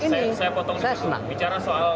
saya potong di situ bicara soal ketua dewan pembina